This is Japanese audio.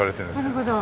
なるほど。